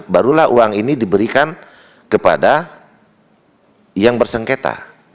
barulah uang ini diberikan kepada yang bersengketa